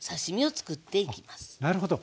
なるほど。